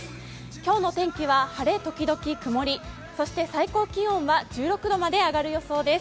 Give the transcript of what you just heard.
今日の天気は晴れ時々曇り、そして最高気温は１６度まで上がる予想です。